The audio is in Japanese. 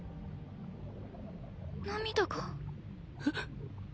涙がえっ？